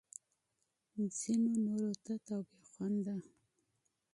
ځینو نورو تت او بې خونده